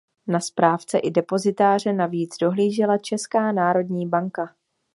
Na správce i depozitáře navíc dohlížela Česká národní banka.